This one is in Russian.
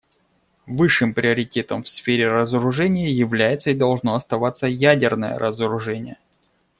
Высшим приоритетом в сфере разоружения является и должно оставаться ядерное разоружение.